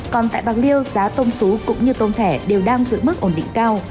còn tại bạc liêu giá tôm sú cũng như tôm thẻ đều đang gửi mức ổn định cao